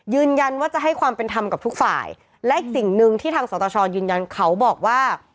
ยืนยันว่าจะให้ความเป็นธรรมกับทุกฝ่ายและอีกสิ่งหนึ่งที่ทางสตชยืนยันเขาบอกว่า